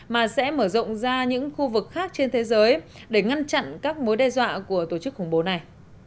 mà sẽ mở rộng ra những khu vực khác trên thế giới để ngăn chặn các mối đe dọa của tổ chức khủng bố này